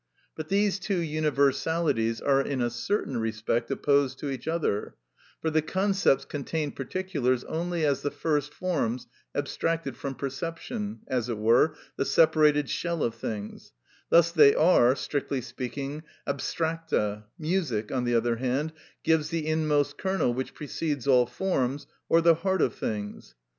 But these two universalities are in a certain respect opposed to each other; for the concepts contain particulars only as the first forms abstracted from perception, as it were, the separated shell of things; thus they are, strictly speaking, abstracta; music, on the other hand, gives the inmost kernel which precedes all forms, or the heart of things.